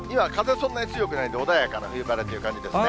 そんなに強くないんで、穏やかな冬晴れという感じですね。